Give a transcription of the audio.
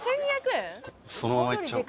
そのままいっちゃおう。